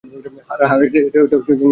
আহ, হ্যাঁ - এটা নিজের বাড়ি মনে করো।